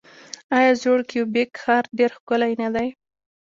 آیا زوړ کیوبیک ښار ډیر ښکلی نه دی؟